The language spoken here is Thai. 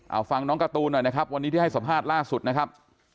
เอาฟังน้องการ์ตูนหน่อยนะครับวันนี้ที่ให้สัมภาษณ์ล่าสุดนะครับ